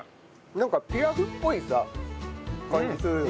なんかピラフっぽい感じするよね。